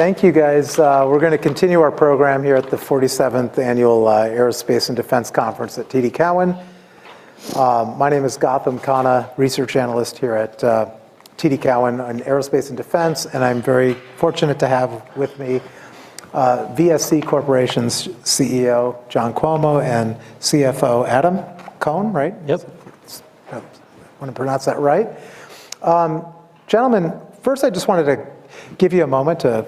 Thank you, guys. We're going to continue our program here at the 47th Annual Aerospace and Defense Conference at TD Cowen. My name is Gautam Khanna, Research Analyst here at TD Cowen on Aerospace and Defense, and I'm very fortunate to have with me VSE Corporation's CEO John Cuomo and CFO Adam Cohn, right? Yep. I want to pronounce that right. Gentlemen, first I just wanted to give you a moment to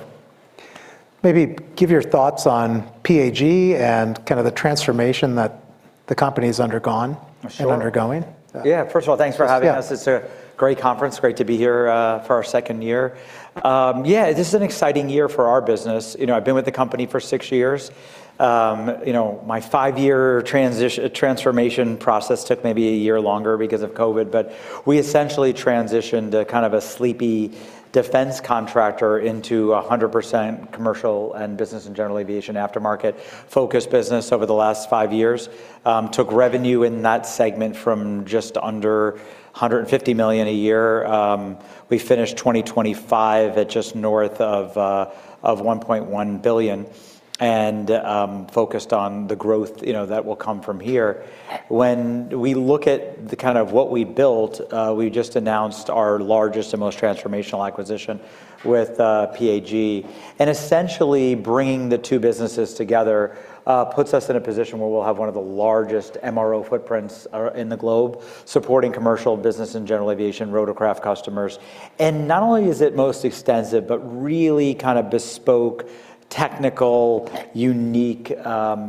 maybe give your thoughts on PAG and kind of the transformation that the company's undergone and undergoing. Yeah, first of all, thanks for having us. It's a great conference. Great to be here for our second year. Yeah, this is an exciting year for our business. You know, I've been with the company for six years. You know, my five-year transformation process took maybe a year longer because of COVID, but we essentially transitioned a kind of a sleepy defense contractor into a 100% commercial and business and general aviation aftermarket-focused business over the last five years. Took revenue in that segment from just under $150 million a year. We finished 2025 at just north of $1.1 billion and focused on the growth, you know, that will come from here. When we look at the kind of what we built, we just announced our largest and most transformational acquisition with PAG. Essentially bringing the two businesses together puts us in a position where we'll have one of the largest MRO footprints in the globe, supporting commercial, business, and general aviation rotorcraft customers. Not only is it most extensive, but really kind of bespoke technical, unique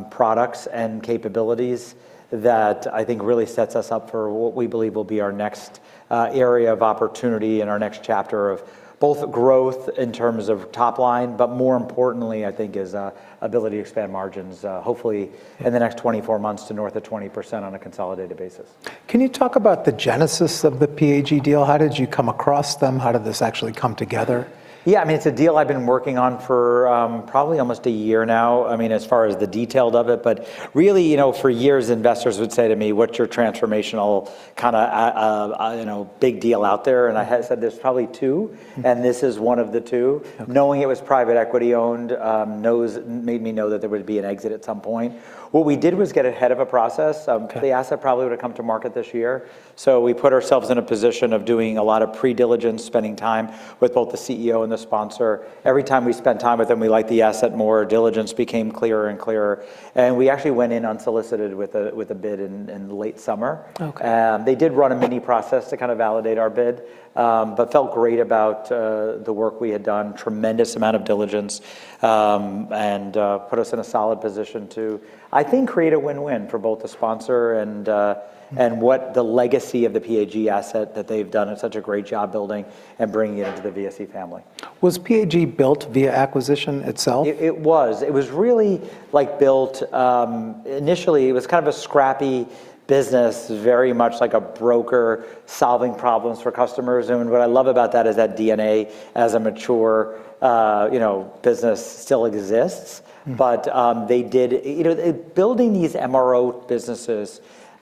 products and capabilities that I think really sets us up for what we believe will be our next area of opportunity and our next chapter of both growth in terms of top line, but more importantly, I think, is ability to expand margins, hopefully in the next 24 months to north of 20% on a consolidated basis. Can you talk about the genesis of the PAG deal? How did you come across them? How did this actually come together? Yeah, I mean, it's a deal I've been working on for probably almost a year now. I mean, as far as the details of it, but really, you know, for years, investors would say to me, "What's your transformational kind of, you know, big deal out there?" And I said, "There's probably two, and this is one of the two." Knowing it was private equity-owned made me know that there would be an exit at some point. What we did was get ahead of a process. The asset probably would have come to market this year. So we put ourselves in a position of doing a lot of pre-diligence, spending time with both the CEO and the sponsor. Every time we spent time with them, we liked the asset more. Diligence became clearer and clearer. And we actually went in unsolicited with a bid in late summer. They did run a mini process to kind of validate our bid, but felt great about the work we had done, tremendous amount of diligence, and put us in a solid position to, I think, create a win-win for both the sponsor and what the legacy of the PAG asset that they've done at such a great job building and bringing it into the VSE family. Was PAG built via acquisition itself? It was. It was really like built initially. It was kind of a scrappy business, very much like a broker solving problems for customers. And what I love about that is that DNA as a mature, you know, business still exists. But they did, you know, building these MRO businesses,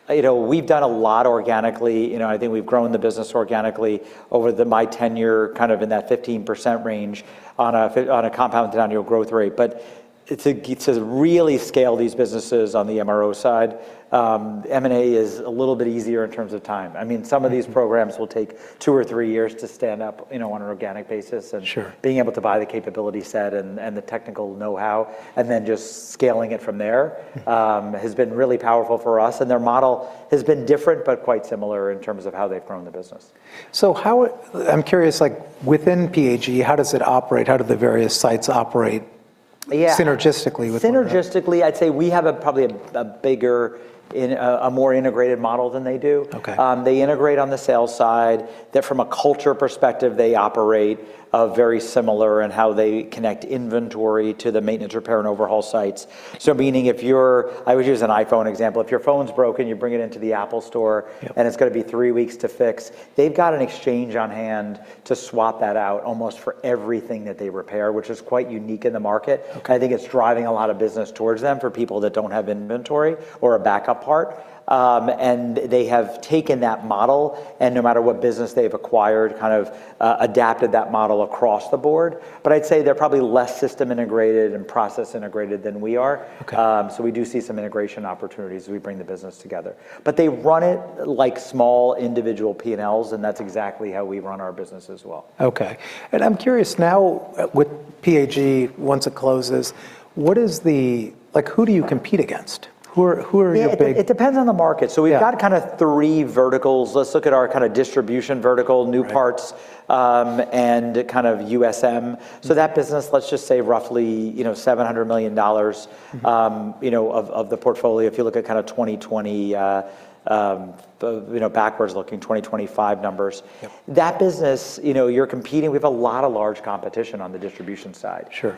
you know, we've done a lot organically. You know, I think we've grown the business organically over my tenure, kind of in that 15% range on a compounded annual growth rate. But it's to really scale these businesses on the MRO side. M&A is a little bit easier in terms of time. I mean, some of these programs will take two or three years to stand up, you know, on an organic basis. And being able to buy the capability set and the technical know-how and then just scaling it from there has been really powerful for us. Their model has been different but quite similar in terms of how they've grown the business. So, I'm curious, like within PAG, how does it operate? How do the various sites operate synergistically with them? Synergistically, I'd say we have probably a bigger, a more integrated model than they do. They integrate on the sales side that from a culture perspective, they operate very similar in how they connect inventory to the maintenance, repair, and overhaul sites. So, meaning, I would use an iPhone example. If your phone's broken, you bring it into the Apple Store and it's going to be three weeks to fix. They've got an exchange on hand to swap that out almost for everything that they repair, which is quite unique in the market. I think it's driving a lot of business towards them for people that don't have inventory or a backup part. And they have taken that model and no matter what business they've acquired, kind of adapted that model across the board. But I'd say they're probably less system integrated and process integrated than we are. We do see some integration opportunities as we bring the business together. They run it like small individual P&Ls, and that's exactly how we run our business as well. Okay. I'm curious now with PAG, once it closes, what is the like who do you compete against? Who are your big? It depends on the market. So we've got kind of three verticals. Let's look at our kind of distribution vertical, new parts, and kind of USM. So that business, let's just say roughly, you know, $700 million, you know, of the portfolio. If you look at kind of 2020, you know, backwards looking, 2025 numbers, that business, you know, you're competing. We have a lot of large competition on the distribution side. You're,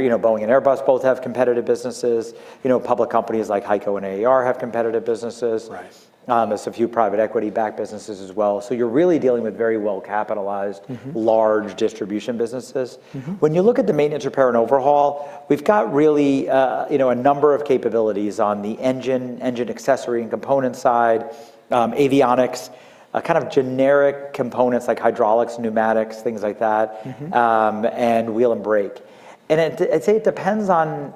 you know, Boeing and Airbus both have competitive businesses. You know, public companies like HEICO and AAR have competitive businesses. It's a few private equity-backed businesses as well. So you're really dealing with very well-capitalized, large distribution businesses. When you look at the maintenance, repair, and overhaul, we've got really, you know, a number of capabilities on the engine, engine accessory and component side, avionics, kind of generic components like hydraulics, pneumatics, things like that, and wheel and brake. And I'd say it depends on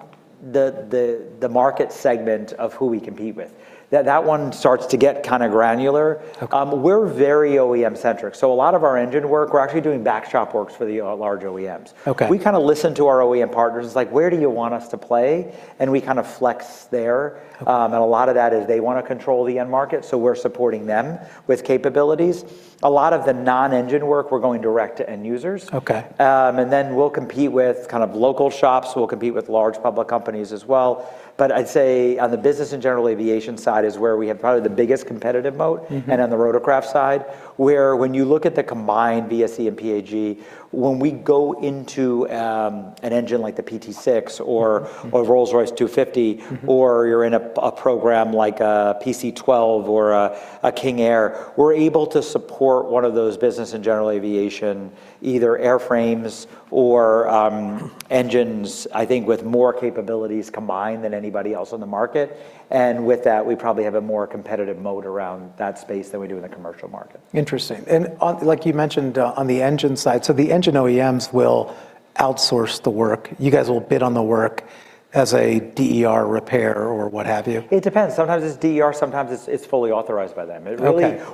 the market segment of who we compete with. That one starts to get kind of granular. We're very OEM-centric. So a lot of our engine work, we're actually doing back shop works for the large OEMs. We kind of listen to our OEM partners. It's like, where do you want us to play? And we kind of flex there. And a lot of that is they want to control the end market. So we're supporting them with capabilities. A lot of the non-engine work, we're going direct to end users. And then we'll compete with kind of local shops. We'll compete with large public companies as well. But I'd say on the business and general aviation side is where we have probably the biggest competitive moat. And on the rotorcraft side, where when you look at the combined VSE and PAG, when we go into an engine like the PT6 or a Rolls-Royce 250, or you're in a program like a PC-12 or a King Air, we're able to support one of those business and general aviation, either airframes or engines, I think, with more capabilities combined than anybody else in the market. And with that, we probably have a more competitive moat around that space than we do in the commercial market. Interesting. And like you mentioned on the engine side, so the engine OEMs will outsource the work. You guys will bid on the work as a DER repair or what have you? It depends. Sometimes it's DER. Sometimes it's fully authorized by them.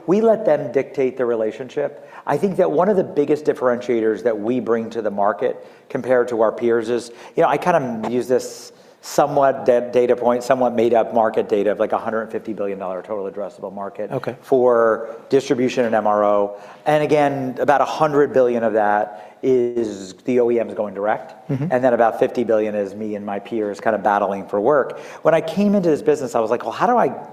We let them dictate the relationship. I think that one of the biggest differentiators that we bring to the market compared to our peers is, you know, I kind of use this somewhat data point, somewhat made up market data of like $150 billion total addressable market for distribution and MRO. And again, about $100 billion of that is the OEMs going direct. And then about $50 billion is me and my peers kind of battling for work. When I came into this business, I was like, well, how do I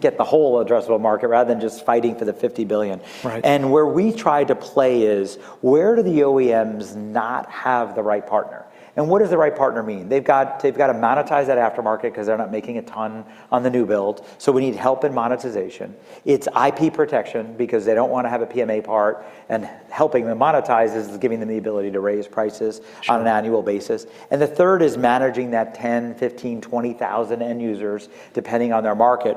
get the whole addressable market rather than just fighting for the $50 billion? And where we try to play is where do the OEMs not have the right partner? And what does the right partner mean? They've got to monetize that aftermarket because they're not making a ton on the new build. So we need help in monetization. It's IP protection because they don't want to have a PMA part. And helping them monetize is giving them the ability to raise prices on an annual basis. And the third is managing that 10, 15, 20,000 end users, depending on their market,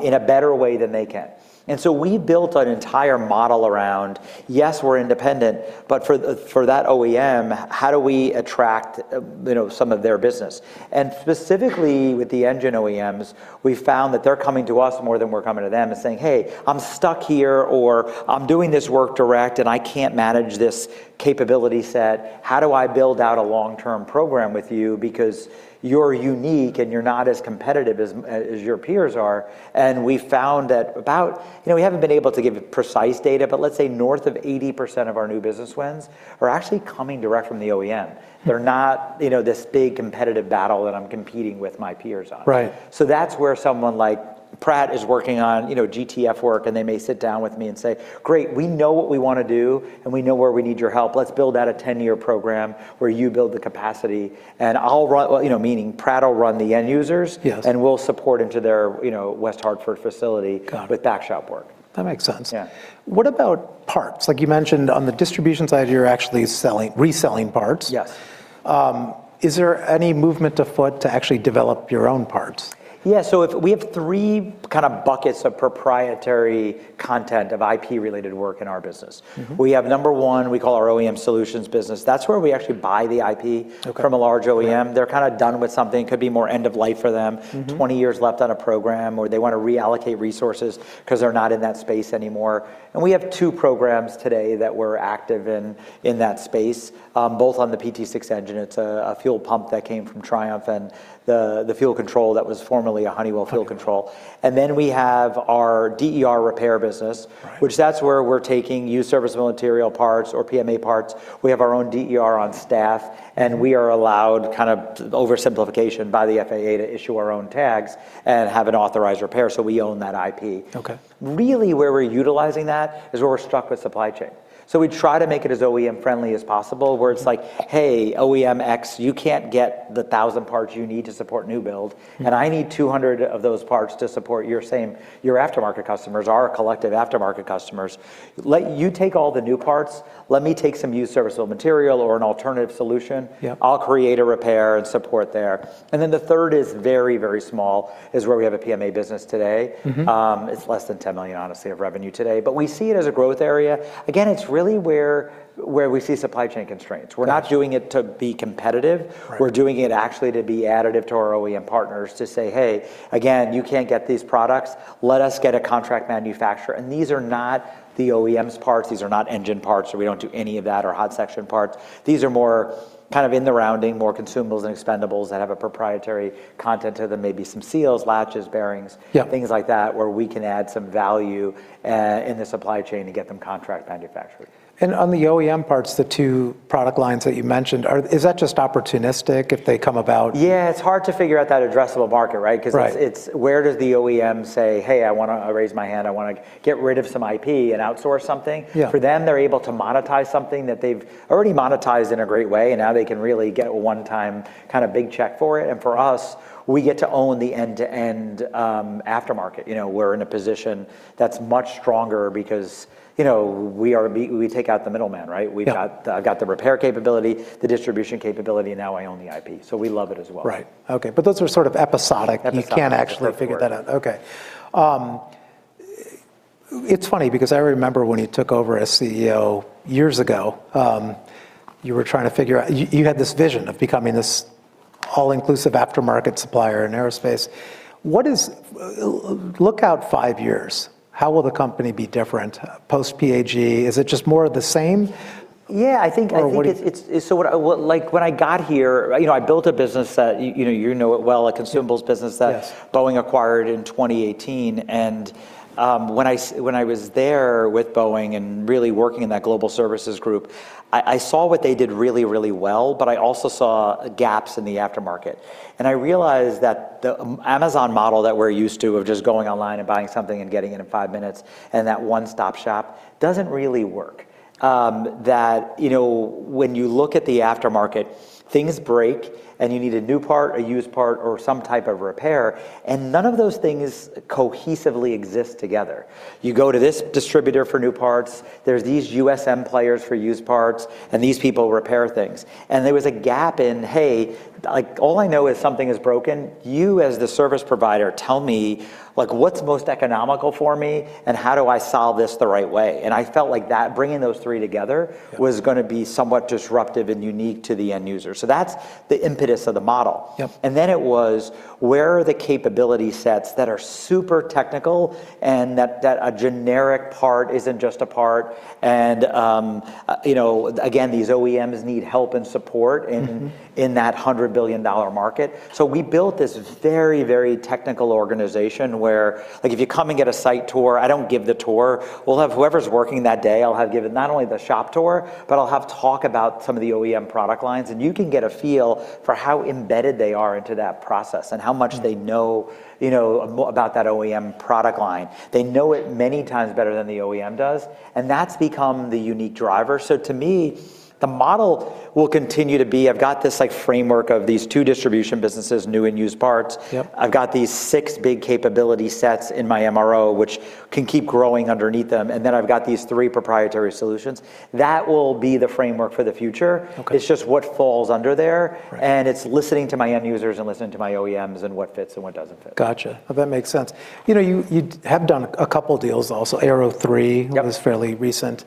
in a better way than they can. And so we built an entire model around, yes, we're independent, but for that OEM, how do we attract, you know, some of their business? And specifically with the engine OEMs, we found that they're coming to us more than we're coming to them and saying, hey, I'm stuck here or I'm doing this work direct and I can't manage this capability set. How do I build out a long-term program with you because you're unique and you're not as competitive as your peers are? And we found that about, you know, we haven't been able to give precise data, but let's say north of 80% of our new business wins are actually coming direct from the OEM. They're not, you know, this big competitive battle that I'm competing with my peers on. So that's where someone like Pratt is working on, you know, GTF work. And they may sit down with me and say, great, we know what we want to do and we know where we need your help. Let's build out a 10-year program where you build the capacity and I'll run, you know, meaning Pratt will run the end users and we'll support into their, you know, West Hartford facility with back shop work. That makes sense. What about parts? Like you mentioned on the distribution side, you're actually reselling parts. Is there any movement afoot to actually develop your own parts? Yeah. So we have three kind of buckets of proprietary content of IP-related work in our business. We have number 1, we call our OEM solutions business. That's where we actually buy the IP from a large OEM. They're kind of done with something. It could be more end of life for them, 20 years left on a program, or they want to reallocate resources because they're not in that space anymore. And we have two programs today that we're active in that space, both on the PT6 engine. It's a fuel pump that came from Triumph and the fuel control that was formerly a Honeywell fuel control. And then we have our DER repair business, which that's where we're taking used serviceable material parts or PMA parts. We have our own DER on staff and we are allowed, kind of oversimplification by the FAA, to issue our own tags and have an authorized repair. So we own that IP. Really, where we're utilizing that is where we're stuck with supply chain. So we try to make it as OEM-friendly as possible where it's like, hey, OEM X, you can't get the 1,000 parts you need to support new build and I need 200 of those parts to support your same your aftermarket customers, our collective aftermarket customers. Let you take all the new parts. Let me take some used serviceable material or an alternative solution. I'll create a repair and support there. And then the third is very, very small, is where we have a PMA business today. It's less than $10 million, honestly, of revenue today. But we see it as a growth area. Again, it's really where we see supply chain constraints. We're not doing it to be competitive. We're doing it actually to be additive to our OEM partners to say, hey, again, you can't get these products. Let us get a contract manufacturer. And these are not the OEM's parts. These are not engine parts. So we don't do any of that or hot section parts. These are more kind of in the rounding, more consumables and expendables that have a proprietary content to them, maybe some seals, latches, bearings, things like that, where we can add some value in the supply chain to get them contract manufactured. On the OEM parts, the two product lines that you mentioned, is that just opportunistic if they come about? Yeah, it's hard to figure out that addressable market, right? Because it's where does the OEM say, hey, I want to raise my hand. I want to get rid of some IP and outsource something. For them, they're able to monetize something that they've already monetized in a great way. And now they can really get a one-time kind of big check for it. And for us, we get to own the end-to-end aftermarket. You know, we're in a position that's much stronger because, you know, we are, we take out the middleman, right? We've got the repair capability, the distribution capability. Now I own the IP. So we love it as well. Right. Okay. But those are sort of episodic. You can't actually figure that out. Okay. It's funny because I remember when you took over as CEO years ago, you were trying to figure out you had this vision of becoming this all-inclusive aftermarket supplier in aerospace. Look out five years. How will the company be different post-PAG? Is it just more of the same? Yeah, I think. So like when I got here, you know, I built a business that, you know, you know it well, a consumables business that Boeing acquired in 2018. And when I was there with Boeing and really working in that global services group, I saw what they did really, really well, but I also saw gaps in the aftermarket. And I realized that the Amazon model that we're used to of just going online and buying something and getting it in five minutes and that one-stop shop doesn't really work. That, you know, when you look at the aftermarket, things break and you need a new part, a used part, or some type of repair. And none of those things cohesively exist together. You go to this distributor for new parts. There's these USM players for used parts and these people repair things. There was a gap in, hey, like all I know is something is broken. You as the service provider, tell me like what's most economical for me and how do I solve this the right way? I felt like that bringing those three together was going to be somewhat disruptive and unique to the end user. That's the impetus of the model. Then it was where are the capability sets that are super technical and that a generic part isn't just a part? You know, again, these OEMs need help and support in that $100 billion market. We built this very, very technical organization where, like if you come and get a site tour, I don't give the tour. We'll have whoever's working that day, I'll have given not only the shop tour, but I'll have talk about some of the OEM product lines. You can get a feel for how embedded they are into that process and how much they know, you know, about that OEM product line. They know it many times better than the OEM does. And that's become the unique driver. So to me, the model will continue to be, I've got this like framework of these two distribution businesses, new and used parts. I've got these six big capability sets in my MRO, which can keep growing underneath them. And then I've got these three proprietary solutions. That will be the framework for the future. It's just what falls under there. And it's listening to my end users and listening to my OEMs and what fits and what doesn't fit. Gotcha. That makes sense. You know, you have done a couple of deals also. Aero 3 was fairly recent.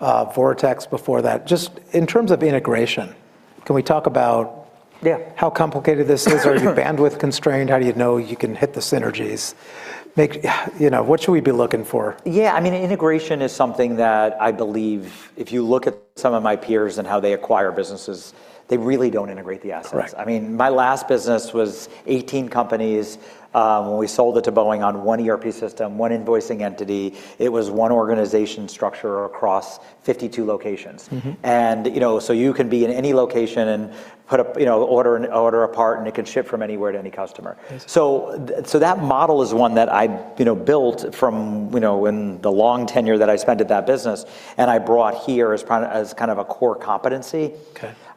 Vortex before that. Just in terms of integration, can we talk about how complicated this is? Are you bandwidth constrained? How do you know you can hit the synergies? You know, what should we be looking for? Yeah. I mean, integration is something that I believe if you look at some of my peers and how they acquire businesses, they really don't integrate the assets. I mean, my last business was 18 companies. When we sold it to Boeing on one ERP system, one invoicing entity, it was one organization structure across 52 locations. And, you know, so you can be in any location and put up, you know, order a part and it can ship from anywhere to any customer. So that model is one that I, you know, built from, you know, in the long tenure that I spent at that business and I brought here as kind of a core competency.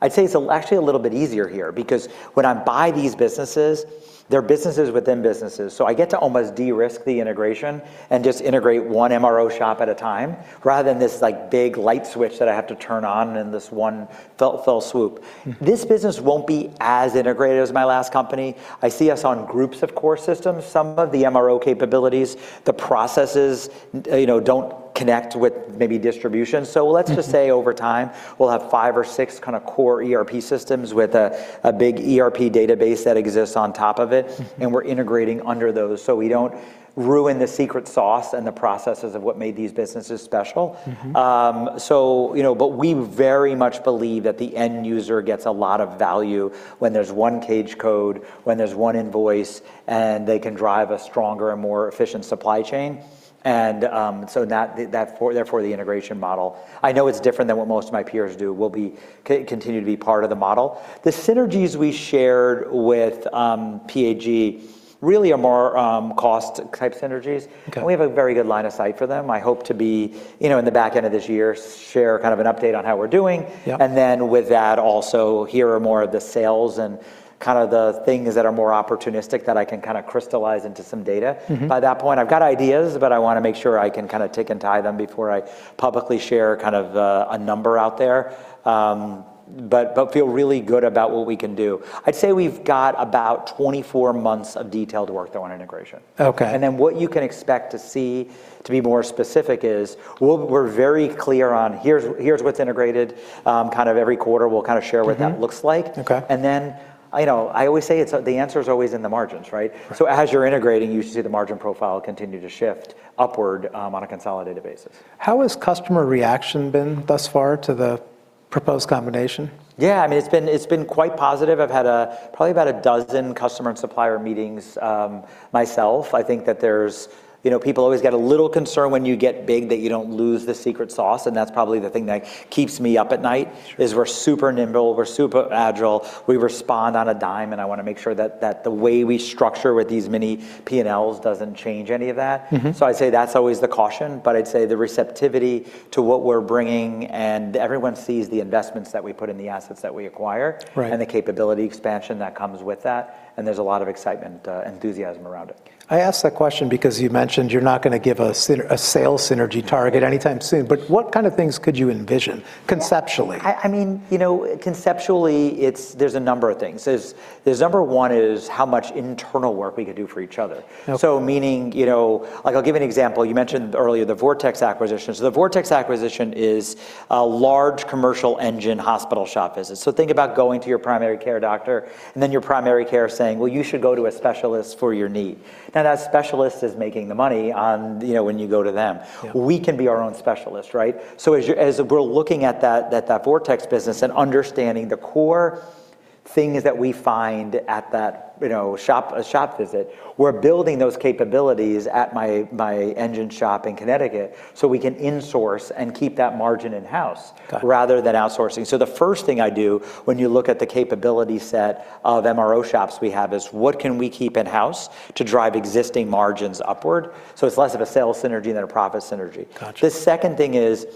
I'd say it's actually a little bit easier here because when I buy these businesses, they're businesses within businesses. So I get to almost de-risk the integration and just integrate one MRO shop at a time rather than this like big light switch that I have to turn on in this one fell swoop. This business won't be as integrated as my last company. I see us on groups of core systems. Some of the MRO capabilities, the processes, you know, don't connect with maybe distribution. So let's just say over time, we'll have five or six kind of core ERP systems with a big ERP database that exists on top of it. And we're integrating under those so we don't ruin the secret sauce and the processes of what made these businesses special. So, you know, but we very much believe that the end user gets a lot of value when there's one CAGE Code, when there's one invoice, and they can drive a stronger and more efficient supply chain. And so therefore the integration model, I know it's different than what most of my peers do, will continue to be part of the model. The synergies we shared with PAG really are more cost-type synergies. And we have a very good line of sight for them. I hope to be, you know, in the back end of this year, share kind of an update on how we're doing. And then with that also, here are more of the sales and kind of the things that are more opportunistic that I can kind of crystallize into some data. By that point, I've got ideas, but I want to make sure I can kind of tick and tie them before I publicly share kind of a number out there, but feel really good about what we can do. I'd say we've got about 24 months of detailed work though on integration. And then what you can expect to see to be more specific is we're very clear on here's what's integrated. Kind of every quarter we'll kind of share what that looks like. And then, you know, I always say the answer is always in the margins, right? So as you're integrating, you should see the margin profile continue to shift upward on a consolidated basis. How has customer reaction been thus far to the proposed combination? Yeah. I mean, it's been quite positive. I've had probably about a dozen customer and supplier meetings myself. I think that there's, you know, people always get a little concerned when you get big that you don't lose the secret sauce. That's probably the thing that keeps me up at night is we're super nimble, we're super agile, we respond on a dime. I want to make sure that the way we structure with these many P&Ls doesn't change any of that. I'd say that's always the caution. I'd say the receptivity to what we're bringing and everyone sees the investments that we put in the assets that we acquire and the capability expansion that comes with that. There's a lot of excitement, enthusiasm around it. I asked that question because you mentioned you're not going to give a sales synergy target anytime soon. But what kind of things could you envision conceptually? I mean, you know, conceptually, there's a number of things. Number one is how much internal work we could do for each other. So meaning, you know, like I'll give an example. You mentioned earlier the Vortex acquisition. So the Vortex acquisition is a large commercial engine hospital shop business. So think about going to your primary care doctor and then your primary care saying, well, you should go to a specialist for your need. Now that specialist is making the money on, you know, when you go to them. We can be our own specialist, right? So as we're looking at that Vortex business and understanding the core things that we find at that, you know, shop visit, we're building those capabilities at my engine shop in Connecticut so we can insource and keep that margin in-house rather than outsourcing. So the first thing I do when you look at the capability set of MRO shops we have is what can we keep in-house to drive existing margins upward? So it's less of a sales synergy than a profit synergy. The second thing is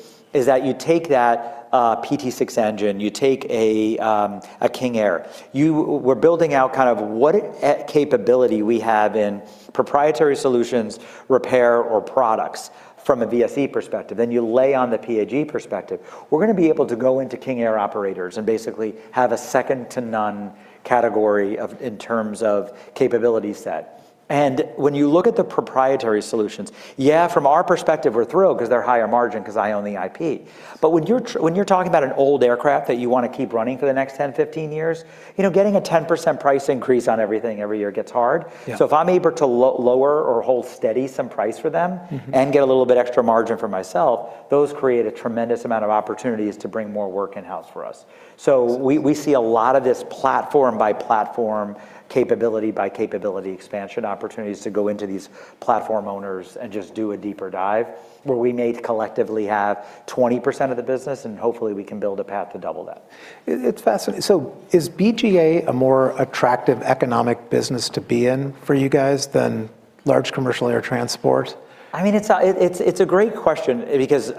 that you take that PT6 engine, you take a King Air. We're building out kind of what capability we have in proprietary solutions, repair, or products from a VSE perspective. Then you lay on the PAG perspective. We're going to be able to go into King Air operators and basically have a second to none category in terms of capability set. And when you look at the proprietary solutions, yeah, from our perspective, we're thrilled because they're higher margin because I own the IP. But when you're talking about an old aircraft that you want to keep running for the next 10, 15 years, you know, getting a 10% price increase on everything every year gets hard. So if I'm able to lower or hold steady some price for them and get a little bit extra margin for myself, those create a tremendous amount of opportunities to bring more work in-house for us. So we see a lot of this platform by platform, capability by capability, expansion opportunities to go into these platform owners and just do a deeper dive where we may collectively have 20% of the business and hopefully we can build a path to double that. It's fascinating. So is BGA a more attractive economic business to be in for you guys than large commercial air transport? I mean, it's a great question because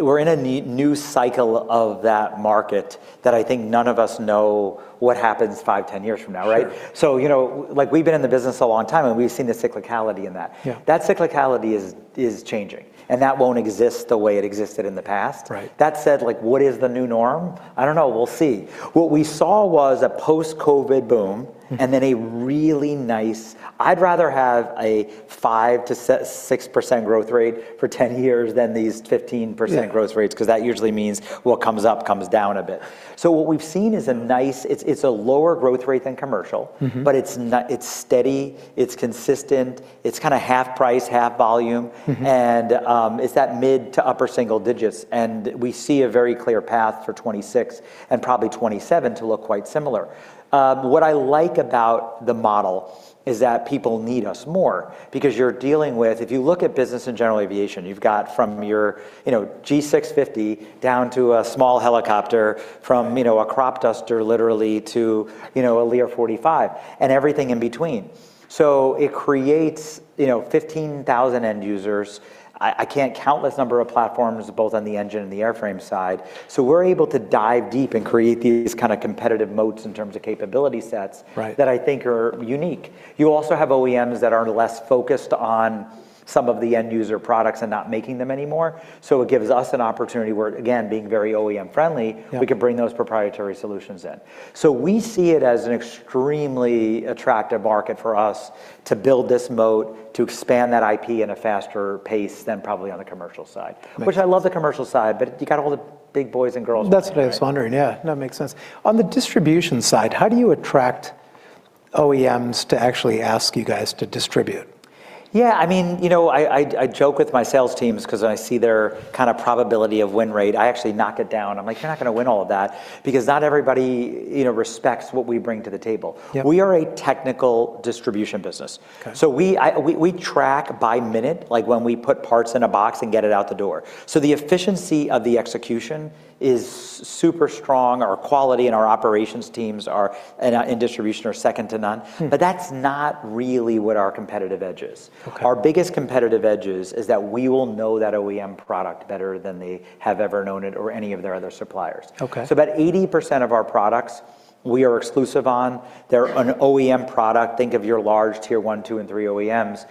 we're in a new cycle of that market that I think none of us know what happens five, 10 years from now, right? So, you know, like we've been in the business a long time and we've seen the cyclicality in that. That cyclicality is changing and that won't exist the way it existed in the past. That said, like what is the new norm? I don't know. We'll see. What we saw was a post-COVID boom and then a really nice. I'd rather have a 5%-6% growth rate for 10 years than these 15% growth rates because that usually means what comes up comes down a bit. So what we've seen is a nice—it's a lower growth rate than commercial, but it's steady, it's consistent, it's kind of half price, half volume, and it's that mid- to upper single digits. And we see a very clear path for 2026 and probably 2027 to look quite similar. What I like about the model is that people need us more because you're dealing with if you look at business in general aviation, you've got from your, you know, G650 down to a small helicopter from, you know, a crop duster literally to, you know, a Lear 45 and everything in between. So it creates, you know, 15,000 end users. I can't count this number of platforms both on the engine and the airframe side. So we're able to dive deep and create these kind of competitive moats in terms of capability sets that I think are unique. You also have OEMs that are less focused on some of the end user products and not making them anymore. So it gives us an opportunity where, again, being very OEM friendly, we can bring those proprietary solutions in. So we see it as an extremely attractive market for us to build this moat, to expand that IP at a faster pace than probably on the commercial side, which I love the commercial side, but you got all the big boys and girls. That's what I was wondering. Yeah, that makes sense. On the distribution side, how do you attract OEMs to actually ask you guys to distribute? Yeah. I mean, you know, I joke with my sales teams because I see their kind of probability of win rate. I actually knock it down. I'm like, you're not going to win all of that because not everybody, you know, respects what we bring to the table. We are a technical distribution business. So we track by minute, like when we put parts in a box and get it out the door. So the efficiency of the execution is super strong. Our quality and our operations teams in distribution are second to none. But that's not really what our competitive edge is. Our biggest competitive edge is that we will know that OEM product better than they have ever known it or any of their other suppliers. So about 80% of our products we are exclusive on. They're an OEM product. Think of your large tier one, two, and three OEMs.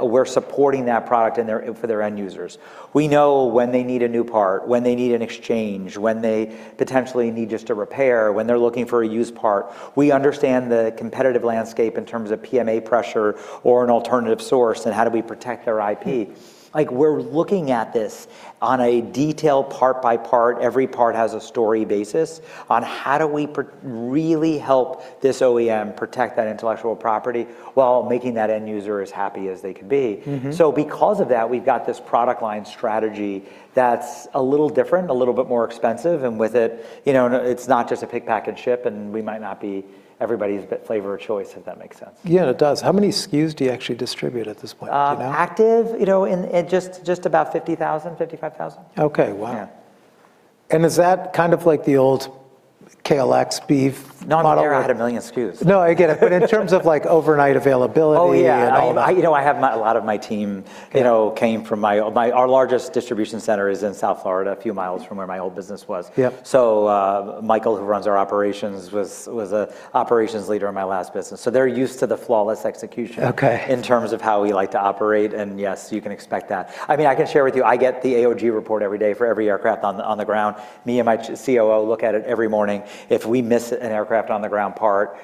We're supporting that product for their end users. We know when they need a new part, when they need an exchange, when they potentially need just a repair, when they're looking for a used part. We understand the competitive landscape in terms of PMA pressure or an alternative source and how do we protect their IP? Like we're looking at this on a detailed part by part. Every part has a story based on how do we really help this OEM protect that intellectual property while making that end user as happy as they can be? Because of that, we've got this product line strategy that's a little different, a little bit more expensive. With it, you know, it's not just a pick, pack, and ship. We might not be everybody's favorite choice if that makes sense. Yeah, it does. How many SKUs do you actually distribute at this point? Active, you know, just about 50,000-55,000. Okay. Wow. Is that kind of like the old KLX B/E model? Not that we're at 1 million SKUs. No, I get it. But in terms of like overnight availability. Oh, yeah. You know, I have a lot of my team, you know, came from my our largest distribution center is in South Florida, a few miles from where my old business was. So Michael, who runs our operations, was an operations leader in my last business. So they're used to the flawless execution in terms of how we like to operate. And yes, you can expect that. I mean, I can share with you, I get the AOG report every day for every aircraft on the ground. Me and my COO look at it every morning. If we miss an aircraft on the ground part,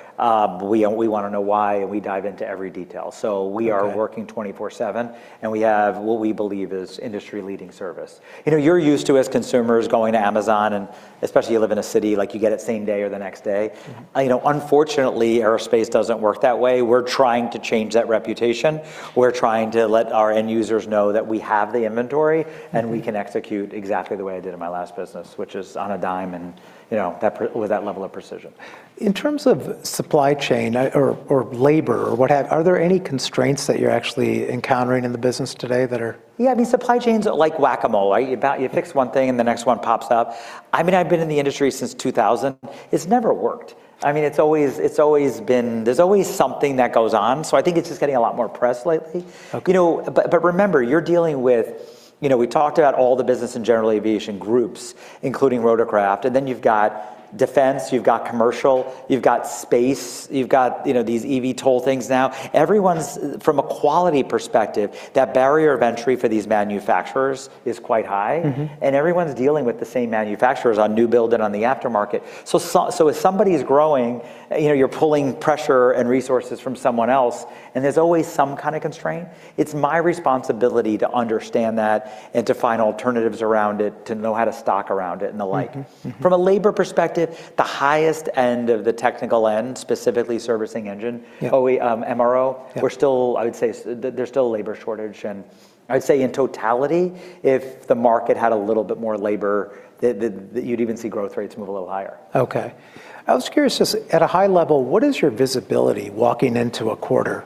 we want to know why. And we dive into every detail. So we are working 24/7 and we have what we believe is industry leading service. You know, you're used to, as consumers, going to Amazon and especially you live in a city like you get it same day or the next day. You know, unfortunately, aerospace doesn't work that way. We're trying to change that reputation. We're trying to let our end users know that we have the inventory and we can execute exactly the way I did in my last business, which is on a dime and, you know, with that level of precision. In terms of supply chain or labor or whatever, are there any constraints that you're actually encountering in the business today that are? Yeah. I mean, supply chains are like Whack-A-Mole. You fix one thing and the next one pops up. I mean, I've been in the industry since 2000. It's never worked. I mean, it's always been, there's always something that goes on. So I think it's just getting a lot more press lately. You know, but remember you're dealing with, you know, we talked about all the business in general aviation groups, including rotorcraft. And then you've got defense, you've got commercial, you've got space, you've got, you know, these eVTOL things now. Everyone's from a quality perspective, that barrier of entry for these manufacturers is quite high. And everyone's dealing with the same manufacturers on new build and on the aftermarket. So if somebody is growing, you know, you're pulling pressure and resources from someone else and there's always some kind of constraint. It's my responsibility to understand that and to find alternatives around it, to know how to stock around it and the like. From a labor perspective, the highest end of the technical end, specifically servicing engine MRO, we're still. I would say there's still a labor shortage. And I'd say in totality, if the market had a little bit more labor, you'd even see growth rates move a little higher. Okay. I was curious just at a high level, what is your visibility walking into a quarter?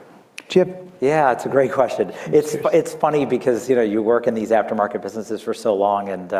Yeah, it's a great question. It's funny because, you know, you work in these aftermarket businesses for so long and,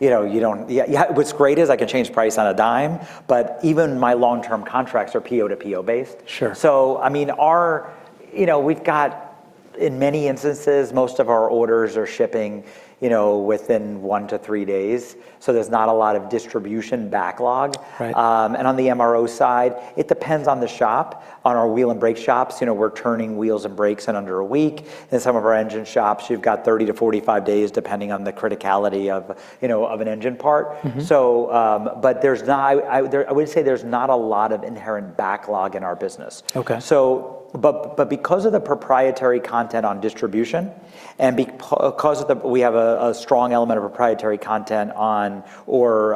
you know, you don't what's great is I can change price on a dime, but even my long-term contracts are PO to PO based. So, I mean, our, you know, we've got in many instances, most of our orders are shipping, you know, within one to three days. So there's not a lot of distribution backlog. And on the MRO side, it depends on the shop, on our wheel and brake shops. You know, we're turning wheels and brakes in under a week. In some of our engine shops, you've got 30-45 days depending on the criticality of, you know, of an engine part. So, but there's not, I would say there's not a lot of inherent backlog in our business. Because of the proprietary content on distribution and because we have a strong element of proprietary content on, or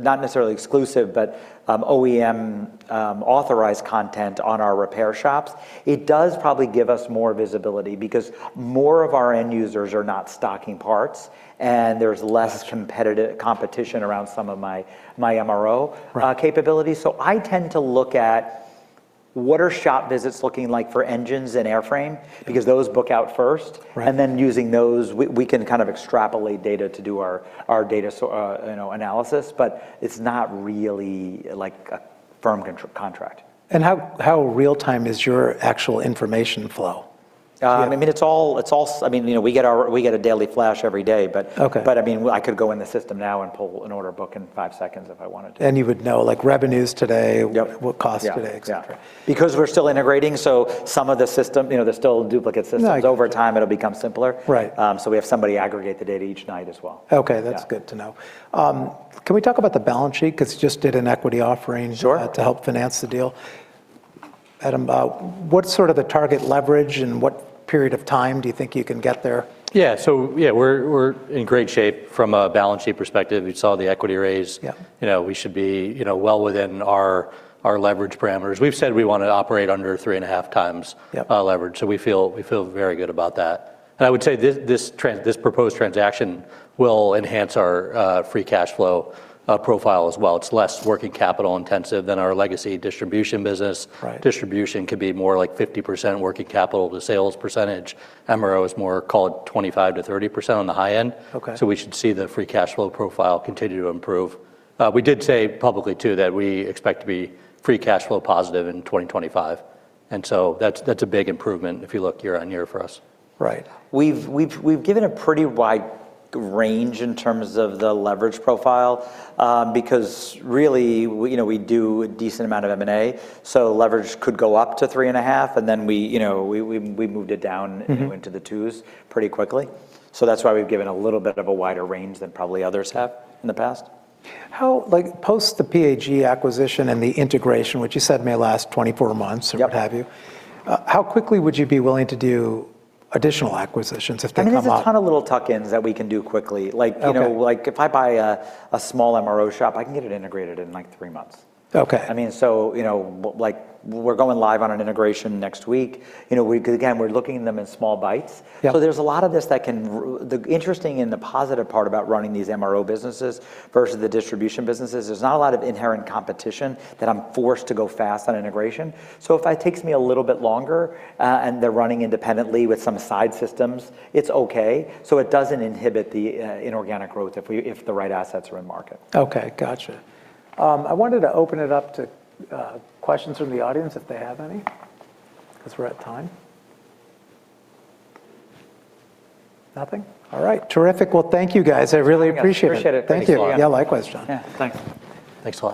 not necessarily exclusive, but OEM authorized content on our repair shops, it does probably give us more visibility because more of our end users are not stocking parts and there's less competitive competition around some of my MRO capabilities. I tend to look at what are shop visits looking like for engines and airframe because those book out first and then using those, we can kind of extrapolate data to do our data, you know, analysis. It's not really like a firm contract. How real-time is your actual information flow? I mean, it's all, you know, we get a daily flash every day. But I mean, I could go in the system now and pull an order book in five seconds if I wanted to. You would know like revenues today, what cost today, etc. Because we're still integrating. So some of the systems, you know, there's still duplicate systems. Over time, it'll become simpler. So we have somebody aggregate the data each night as well. Okay. That's good to know. Can we talk about the balance sheet? Because you just did an equity offering to help finance the deal. Adam, what's sort of the target leverage and what period of time do you think you can get there? Yeah. So, yeah, we're in great shape from a balance sheet perspective. We saw the equity raise. You know, we should be, you know, well within our leverage parameters. We've said we want to operate under 3.5x leverage. So we feel, we feel very good about that. And I would say this proposed transaction will enhance our free cash flow profile as well. It's less working capital intensive than our legacy distribution business. Distribution could be more like 50% working capital to sales percentage. MRO is more, call it 25%-30% on the high end. So we should see the free cash flow profile continue to improve. We did say publicly too that we expect to be free cash flow positive in 2025. And so that's a big improvement if you look year-on-year for us. Right. We've given a pretty wide range in terms of the leverage profile because really, you know, we do a decent amount of M&A. So leverage could go up to 3.5 and then we, you know, we moved it down into the 2s pretty quickly. So that's why we've given a little bit of a wider range than probably others have in the past. How, like post the PAG acquisition and the integration, which you said may last 24 months or what have you, how quickly would you be willing to do additional acquisitions if they come up? I mean, there's a ton of little tuck-ins that we can do quickly. Like, you know, like if I buy a small MRO shop, I can get it integrated in like three months. I mean, so, you know, like we're going live on an integration next week. You know, again, we're looking at them in small bites. So there's a lot of this that's the interesting and the positive part about running these MRO businesses versus the distribution businesses; there's not a lot of inherent competition that I'm forced to go fast on integration. So if it takes me a little bit longer and they're running independently with some side systems, it's okay. So it doesn't inhibit the inorganic growth if the right assets are in market. Okay. Gotcha. I wanted to open it up to questions from the audience if they have any because we're at time. Nothing. All right. Terrific. Well, thank you guys. I really appreciate it. Thank you. Yeah, likewise, John. Yeah. Thanks. Thanks a lot.